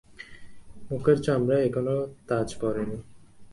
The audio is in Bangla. মুখের চামড়ায় এখনো তাঁজ পড়ে নি।